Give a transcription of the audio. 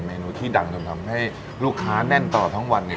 เมนูที่ดังจนทำให้ลูกค้าแน่นตลอดทั้งวันเนี่ย